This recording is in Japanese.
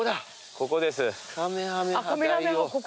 ここです。